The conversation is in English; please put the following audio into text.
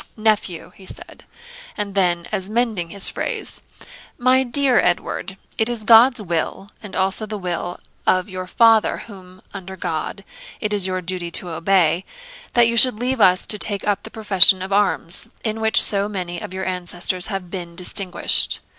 'Nephew,' he said; and then, as mending his phrase, 'My dear Edward, it is God's will, and also the will of your father, whom, under God, it is your duty to obey, that you should leave us to take up the profession of arms, in which so many of your ancestors have been distinguished.